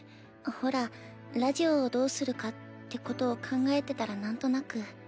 ほらラジオをどうするかってことを考えてたらなんとなく。